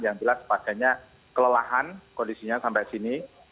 yang jelas pasiennya kelelahan kondisinya sampai sini